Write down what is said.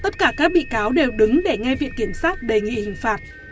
tất cả các bị cáo đề nghị đều đứng để nghe viện kiểm sát đề nghị hình phạt